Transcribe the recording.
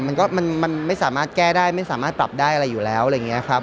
มันก็มันไม่สามารถแก้ได้ไม่สามารถปรับได้อะไรอยู่แล้วอะไรอย่างนี้ครับ